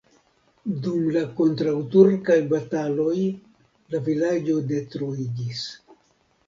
Dum la kontraŭturkaj bataloj la vilaĝo detruiĝis.